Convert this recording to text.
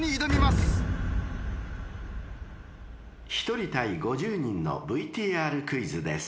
［１人対５０人のＶＴＲクイズです］